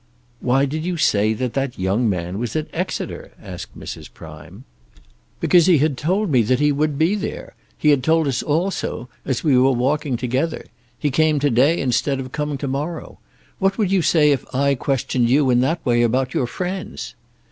"Why did you say that that young man was at Exeter?" asked Mrs. Prime. "Because he had told me that he would be there; he had told us all so, as we were walking together. He came to day instead of coming to morrow. What would you say if I questioned you in that way about your friends?"